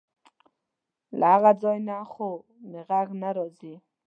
له هغه ځای نه خو مې غږ نه راځي.